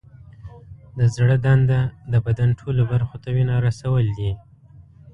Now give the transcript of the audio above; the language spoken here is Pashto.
د زړه دنده د بدن ټولو برخو ته وینه رسول دي.